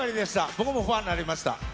僕もファンになりました。